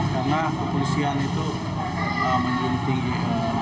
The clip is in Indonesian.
karena kepolisian itu menjadi tinggi